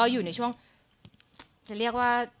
อยู่ในช่วงจะเรียกว่า